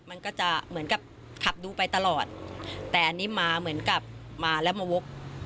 มันก็จะเหมือนกับขับดูไปตลอดแต่อันนี้มาเหมือนกับมาแล้วมาวก